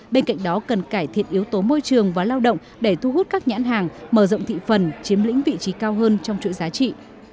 bên cạnh đó cần cải thiện yếu tố môi trường và lao động để thu hút các nhãn hàng mở rộng thị phần chiếm lĩnh vị trí cao hơn trong chuỗi giá trị